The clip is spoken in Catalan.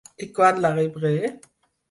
I quan la rebré?